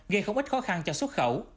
gây không ít khó khăn cho xuất khẩu